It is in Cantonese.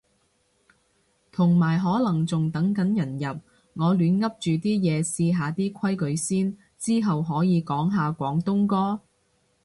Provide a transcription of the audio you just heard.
同埋可能仲等緊人入，我亂噏住啲嘢試下啲規則先。之後可以講下廣東歌？